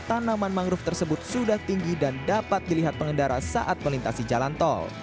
tanaman mangrove tersebut sudah tinggi dan dapat dilihat pengendara saat melintasi jalan tol